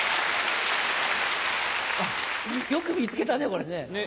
よく見つけたねこれね。ね？